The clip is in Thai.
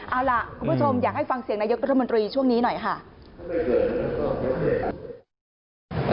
เอาล่ะคุณผู้ชมอยากให้ฟังเสียงนายกรัฐมนตรีช่วงนี้หน่อยค่ะ